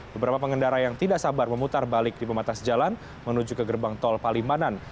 beberapa pengendara yang tidak sabar memutar balik di pematas jalan menuju ke gerbang tol palimanan